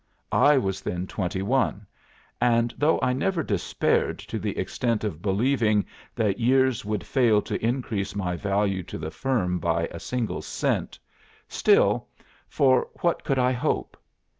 I was then twenty one; and though I never despaired to the extent of believing that years would fail to increase my value to the firm by a single cent, still, for what could I hope?